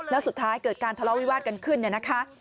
แล้วสุดท้ายเกิดการทะเลาะวิวาสกันขึ้นเนี่ยนะคะ